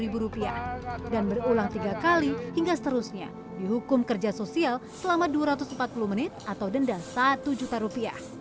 berulang tiga kali sanksi kerja sosial selama dua ratus empat puluh menit atau denda rp satu